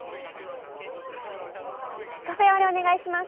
カフェオレお願いします。